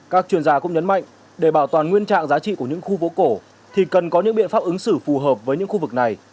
các chuyên gia cũng nhấn mạnh để bảo toàn nguyên trạng giá trị của những khu phố cổ thì cần có những biện pháp ứng xử phù hợp với những khu vực này